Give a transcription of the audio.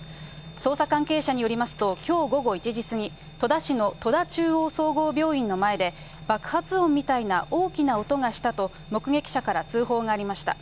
捜査関係者によりますと、きょう午後１時過ぎ、戸田市の戸田中央総合病院の前で、爆発音みたいな大きな音がしたと、目撃者から通報がありました。